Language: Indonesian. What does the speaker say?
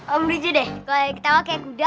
om rizie deh kalau yang kita mau kayak kuda